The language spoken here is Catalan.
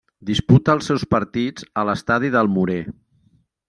Disputa els seus partits a l'estadi del Morer.